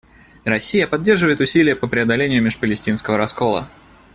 Россия поддерживает усилия по преодолению межпалестинского раскола.